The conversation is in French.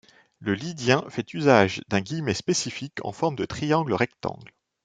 Le lydien fait usage d'un guillemet spécifique en forme de triangle rectangle.